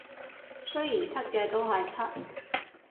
雖然柒嘅都係柒